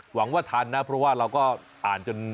หวังว่าทันนะเพราะว่าเราก็อ่านจน